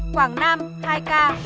quảng nam hai ca